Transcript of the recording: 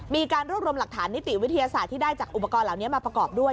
มีการรวบรวมหลักฐานนิติวิทยาศาสตร์ที่ได้จากอุปกรณ์เหล่านี้มาประกอบด้วย